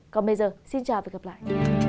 còn bây giờ xin chào và gặp lại